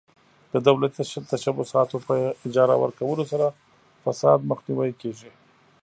د دولتي تشبثاتو په اجاره ورکولو سره فساد مخنیوی کیږي.